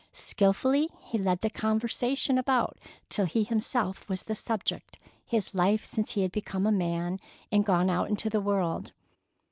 Skilfully he led the conversation about till he himself was the subject—his life since he had become a man and gone out into the world.